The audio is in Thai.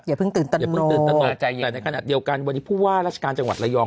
อย่าเพิ่งตื่นตนกแต่ในขณะเดียวกันวันนี้ผู้ว่าราชการจังหวัดระยอง